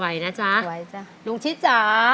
ไหวนะจ๊ะ